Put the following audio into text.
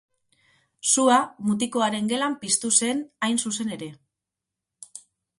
Sua mutikoaren gelan piztu zen, hain zuzen ere.